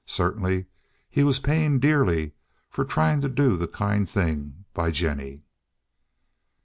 Certainly he was paying dearly for trying to do the kind thing by Jennie.